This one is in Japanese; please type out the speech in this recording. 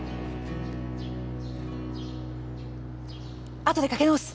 あとでかけ直す！